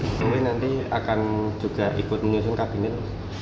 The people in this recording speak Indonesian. jokowi nanti akan juga ikut menyusun kabinet